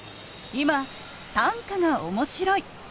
今短歌が面白い。